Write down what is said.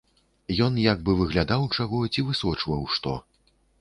Ён як бы выглядаў чаго ці высочваў што.